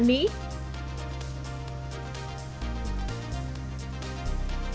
hầm kim liên